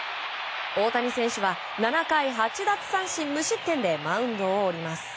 大谷選手は７回８奪三振無失点でマウンドを降ります。